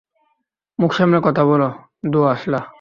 মুখ সামলে কথা বল, দো-আঁশলা!